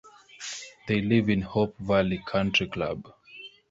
They live in Hope Valley Country Club.